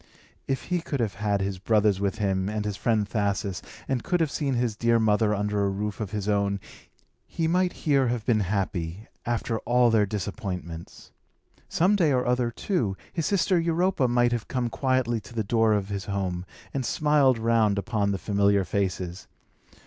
If he could have had his brothers with him, and his friend Thasus, and could have seen his dear mother under a roof of his own, he might here have been happy, after all their disappointments. Some day or other, too, his sister Europa might have come quietly to the door of his home, and smiled round upon the familiar faces.